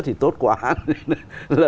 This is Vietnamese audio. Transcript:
thì tốt quá